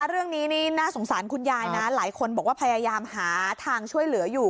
เรื่องนี้นี่น่าสงสารคุณยายนะหลายคนบอกว่าพยายามหาทางช่วยเหลืออยู่